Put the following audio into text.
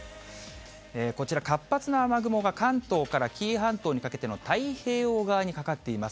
こちら、活発な雨雲が、関東から紀伊半島にかけての太平洋側にかかっています。